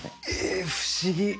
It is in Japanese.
え不思議。